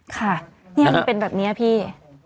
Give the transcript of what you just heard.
ค่ะนี่มันเป็นแบบนี้พี่